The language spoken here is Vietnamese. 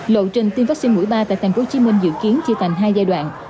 lộ trình tiêm vaccine mũi ba tại tp hcm dự kiến chia thành hai giai đoạn